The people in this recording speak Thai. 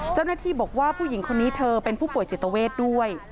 เจ้าหน้าที่บอกว่าผู้หญิงคนนี้เธอเป็นผู้ป่วยจิตเวทด้วย